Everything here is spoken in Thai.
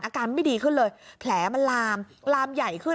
อาการไม่ดีขึ้นเลยแผลมันลามลามใหญ่ขึ้น